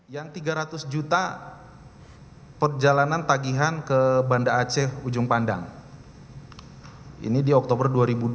yang tiga ratus juta perjalanan tagihan ke banda aceh ujung pandang ini di oktober dua ribu dua puluh